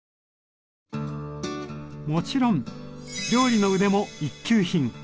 もちろん料理の腕も一級品！